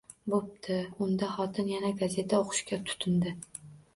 Bo`pti undaxotin yana gazeta o`qishga tutindi